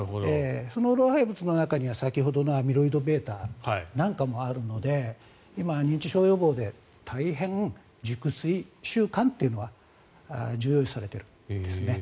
その老廃物の中には、先ほどのアミロイドβなんかもあるので今、認知症予防で大変、熟睡習慣というのが重要視されているんですね。